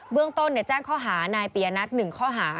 เบื้องต้นเนี่ยแจ้งข้อหานายปียะนัส๑ข้อหา